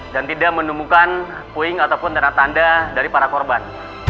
dan tidak menemukan puing ataupun tanda tanda dari para korban